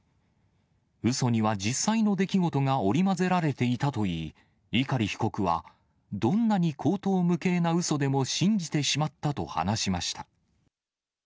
うそには実際の出来事が織り交ぜられていたといい、碇被告は、どんなに荒唐無稽なうそでも信じてしまったと話しました。